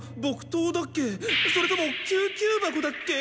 それともきゅう急箱だっけ？